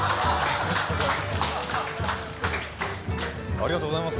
ありがとうございます！